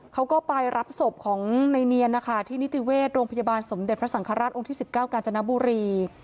เขาก็ไปรับศพของในเนียนนะคะที่นิติเวชโรงพยาบาลสมเด็จพระสังฆราชองค์ที่๑๙กาญจนบุรี